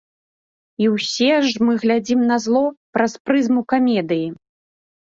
І ўсе ж мы глядзім на зло праз прызму камедыі.